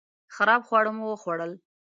خراب خواړه مو وخوړل